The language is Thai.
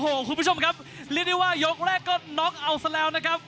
โหโหคุณผู้ชมนะครับเรี๋ยวว่ายกแรกก็น็อกเอาเสมอย่างเลี่ยวนะครับ